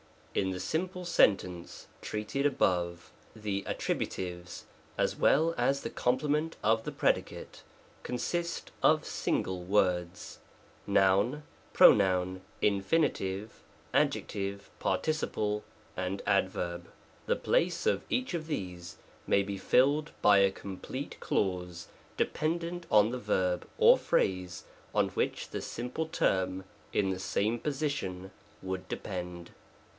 In the simple sentence treated above, the attribu tives, as well as the complement of the predicate, con sist of single words, — Noun, Pronoun, Infinitive, Ad jective, Participle and Adverb. The place of each of these may be filled by a complete clause dependent on the verb or phrase on which the simple term in the same position would depend.